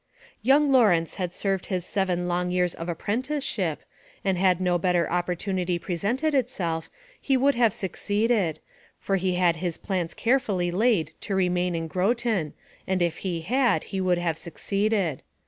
Young Lawrence had served his seven long years of apprenticeship, and had no better opportunity presented itself, he would have succeeded, for he had his plans carefully laid to remain in Groton, and if he had, he would have succeeded.